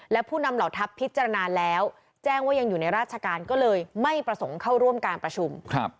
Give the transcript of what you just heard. และผู้นำเหล่าทัพพิจารณาแล้วแจ้งว่ายังอยู่ในราชการก็เลยไม่ประสงค์เข้าร่วมการประชุม